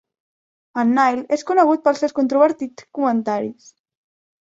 En Nile és conegut pels seus controvertits comentaris.